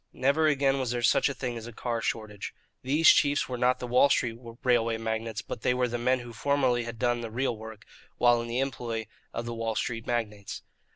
Never again was there such a thing as a car shortage. These chiefs were not the Wall Street railway magnates, but they were the men who formerly had done the real work while in the employ of the Wall Street magnates.